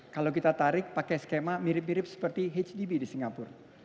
kalau kita tarik pakai skema mirip mirip seperti hdb di singapura